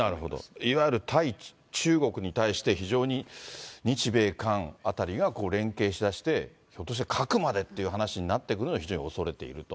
いわゆる対中国に対して、非常に、日米韓あたりが連携しだして、ひょっとして、核までという話になってくるのを非常に恐れていると。